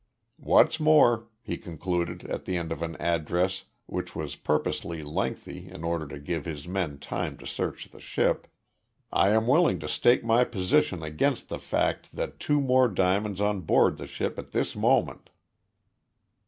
"What's more," he concluded, at the end of an address which was purposely lengthy in order to give his men time to search the ship, "I am willing to stake my position against the fact that two more diamonds are on board the ship at this moment!"